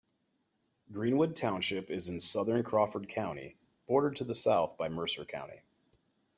Greenwood Township is in southern Crawford County, bordered to the south by Mercer County.